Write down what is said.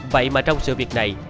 vậy mà trong sự việc này